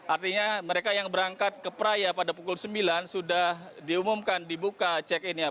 artinya mereka yang berangkat ke peraya pada pukul sembilan sudah diumumkan dibuka check innya